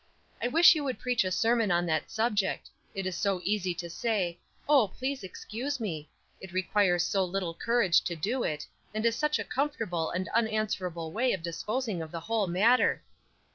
I wish you would preach a sermon on that subject. It is so easy to say, 'Oh, please excuse me;' it requires so little courage to do it; and is such a comfortable and unanswerable way of disposing of the whole matter.